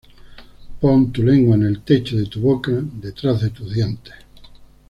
Pon tu lengua en el techo de tu boca, detrás de tus dientes.